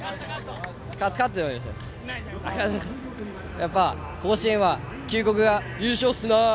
やっぱ甲子園は九国が優勝っすなー。